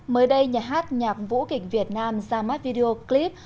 mới đây nhà hát nhạc vũ kịch việt nam ra mắt video clip